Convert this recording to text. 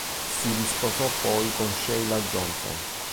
Si risposò poi con Sheila Johnson.